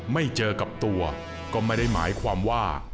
ไม่เจอกับตัวก็ไม่ได้หมายความว่า